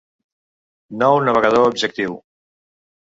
Nou navegador objectiu.